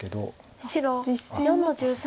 白４の十三。